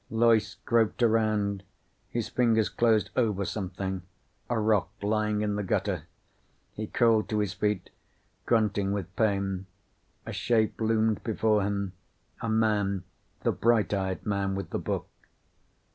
Loyce groped around. His fingers closed over something. A rock, lying in the gutter. He crawled to his feet, grunting with pain. A shape loomed before him. A man, the bright eyed man with the book.